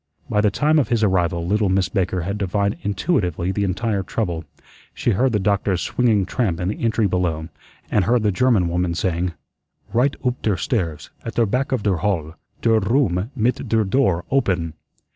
By the time of his arrival little Miss Baker had divined intuitively the entire trouble. She heard the doctor's swinging tramp in the entry below, and heard the German woman saying: "Righd oop der stairs, at der back of der halle. Der room mit der door oppen."